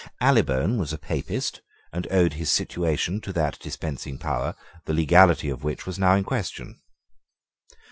Allybone was a Papist, and owed his situation to that dispensing power, the legality of which was now in question.